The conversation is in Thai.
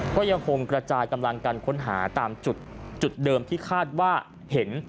ก็ยังคงกระจายกำลังกันค้นหาตามจุดเดิมที่คาดว่าเห็น